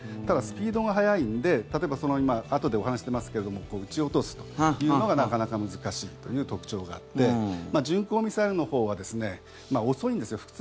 ただ、スピードが速いんであとでお話出ますけど撃ち落とすというのが、なかなか難しいという特徴があって巡航ミサイルのほうは遅いんですよ。